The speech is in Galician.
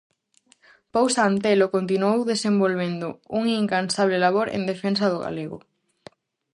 Pousa Antelo continuou desenvolvendo un incansable labor en defensa do galego.